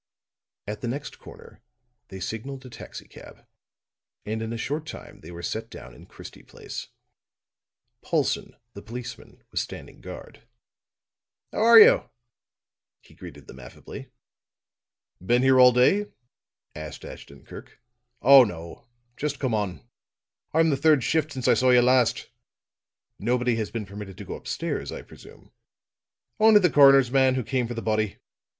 At the next corner they signaled a taxicab, and in a short time they were set down in Christie Place. Paulson, the policeman, was standing guard. "How are you?" he greeted them affably. "Been here all day?" asked Ashton Kirk. "Oh, no. Just come on. I'm the third shift since I saw you last." "Nobody has been permitted to go upstairs, I presume?" "Only the coroner's man, who came for the body.